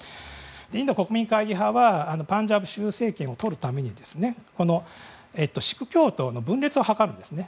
インド国民会議派はパンジャブ州政権をとるためにこのシーク教徒の分裂を図るんですね。